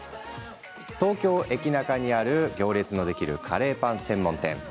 東京駅の駅ナカにある行列のできるカレーパン専門店。